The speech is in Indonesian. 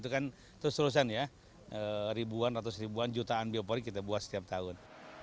itu kan terus terusan ya ribuan ratus ribuan jutaan biopori kita buat setiap tahun